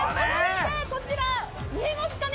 こちら見えますかね。